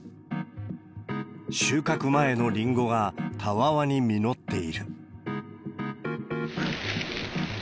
収穫前のリンゴがたわわに実っている。